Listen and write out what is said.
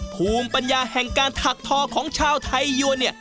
ภูมิปัญญาแห่งการถักทอของชาวไทยยวนเนี่ย